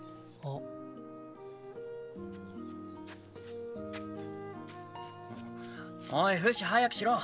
おいフシ早くしろ。